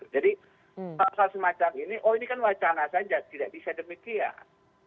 jadi pasal semacam ini oh ini kan wacana saja tidak bisa demikian